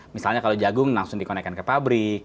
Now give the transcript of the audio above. misalnya kalau jagung langsung dikonekkan ke pabrik